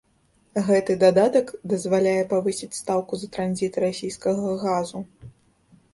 Гэты дадатак дазваляе павысіць стаўку за транзіт расійскага газу.